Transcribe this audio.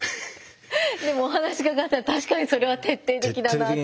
でもお話伺ったら確かにそれは徹底的だなって。